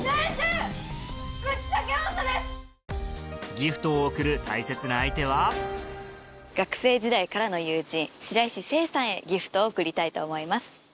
ギフトを贈る大切な相手は学生時代からの友人白石聖さんへギフトを贈りたいと思います。